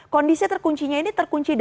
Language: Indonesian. kondisi terkunci nya ini terkunci di mana